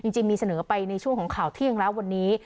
จริงมีเสนอไปในช่วงของข่าวเที่ยงแล้ววันนี้